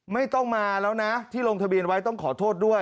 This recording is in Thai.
ไม่ต้องมาแล้วนะที่ลงทะเบียนไว้ต้องขอโทษด้วย